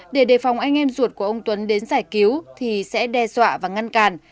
để đề phòng anh em ruột của ông tuấn đến giải cứu thì sẽ đe dọa và ngăn cản